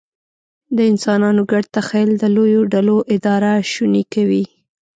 د انسانانو ګډ تخیل د لویو ډلو اداره شونې کوي.